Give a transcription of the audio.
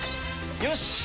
よし！